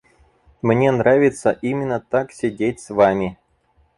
Мне нравится именно так сидеть с вами.